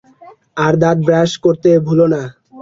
আর দাঁত ব্রাশ করতে ভুলো না।